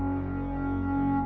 kamu mau minum obat